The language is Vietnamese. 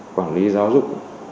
quản lý giáo dục